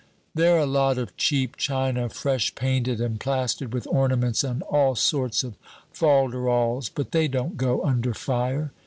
"They're a lot of cheap china, fresh painted, and plastered with ornaments and all sorts of falderals, but they don't go under fire."